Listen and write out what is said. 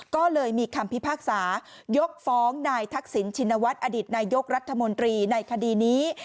ก็เลยมีคำพิพากษายกฟ้องนายทักษิณชินวัฒน์อดีตนายกรัฐมนตรีในคดีนี้